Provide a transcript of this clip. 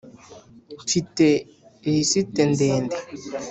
Mfite lisite ndede.